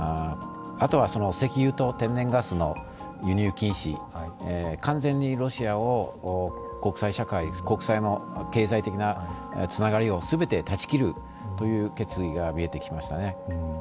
あとは、石油と天然ガスの輸入禁止完全にロシアを国際社会、経済的なつながりを全て断ち切るという決意が見えてきましたね。